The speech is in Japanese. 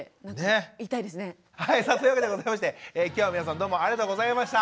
はいそういうわけでございまして今日は皆さんどうもありがとうございました。